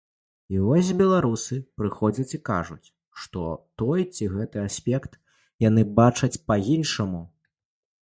І вось беларусы прыходзяць і кажуць, што той ці гэты аспект яны бачаць па-іншаму.